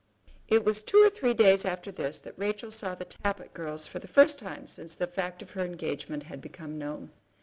It was two or three days after this that Rachel saw the Tappitt girls for the first time since the fact of her engagement had become known.